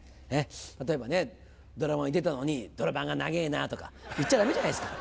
例えばねドラマに出たのに「ドラマが長ぇな」とか言っちゃダメじゃないっすか。